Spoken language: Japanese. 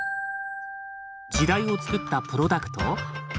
時代をつくったプロダクト？